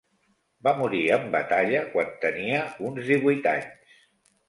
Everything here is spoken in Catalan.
Va morir en batalla quan tenia uns divuit anys.